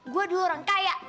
gue dulu orang kaya